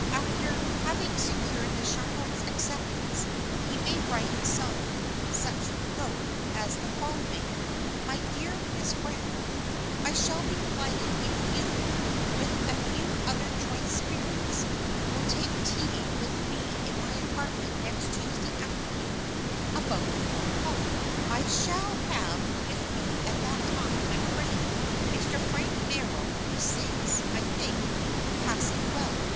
After having secured the chaperon's acceptance he may write some such note as the following: "My dear Miss Brown: "I shall be delighted if you, with a few other choice spirits, will take tea with me in my apartment next Tuesday afternoon about four o'clock. I shall have with me at that time my friend, Mr. Frank Merrill, who sings, I think, passing well.